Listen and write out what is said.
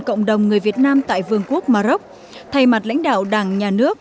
cộng đồng người việt nam tại vương quốc maroc thay mặt lãnh đạo đảng nhà nước